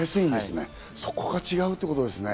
そこが違うってことですね。